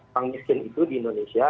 bank miskin itu di indonesia